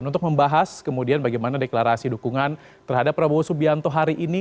untuk membahas kemudian bagaimana deklarasi dukungan terhadap prabowo subianto hari ini